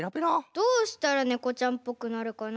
どうしたらねこちゃんっぽくなるかな？